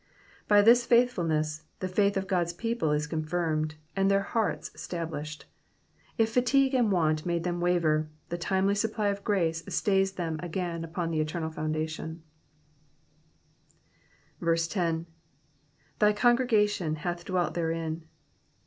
By this faithfulness, the faith of God's people is confirmed, and their hearts established ; if fatigue and want made them waver, the timely supply of grace stays them again upon the eternal foundations. 10. ^^ Thy congregation hath dwelt therein.''''